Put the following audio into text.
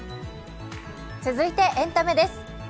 続いてエンタメです。